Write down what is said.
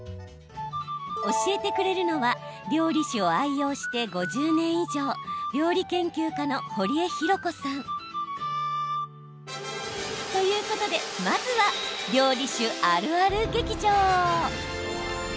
教えてくれるのは料理酒を愛用して５０年以上料理研究家の堀江ひろ子さん。ということで、まずは料理酒あるある劇場。